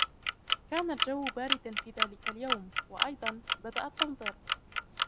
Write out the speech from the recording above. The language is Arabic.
كان الجو باردًا في ذلك اليوم، وايضاً، بدأت تمطر.